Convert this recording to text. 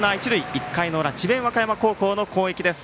１回の裏、智弁和歌山高校の攻撃。